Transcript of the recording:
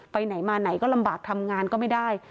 ไปไหนมาไหนก็ลำบากทำงานก็ไม่ได้